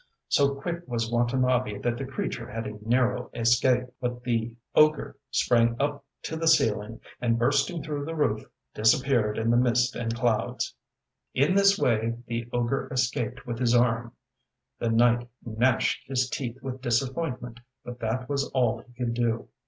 So quick was Watanabe that the creature had a narrow escape. But the ogre sprang up to the ceiling, and bursting through the roof, disappeared in the mist and clouds. In this way the ogre escaped with his arm. The knight gnashed his teeth with disappointment, but that was all he could do.